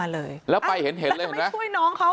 แล้วไปเห็นเลย